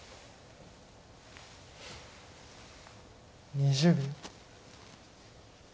２０秒。